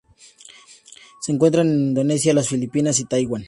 Se encuentran en Indonesia, las Filipinas y Taiwán.